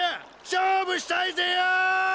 勝負したいぜよ！